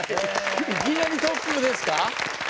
いきなりトップですか？